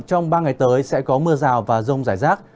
trong ba ngày tới sẽ có mưa rào và rông rải rác